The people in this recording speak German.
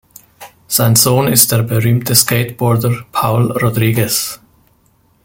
Sein Sohn ist der berühmte Skateboarder Paul Rodriguez.